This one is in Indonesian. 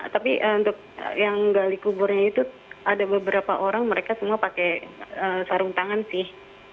tapi untuk yang gali kuburnya itu ada beberapa orang mereka semua pakai sarung tangan sih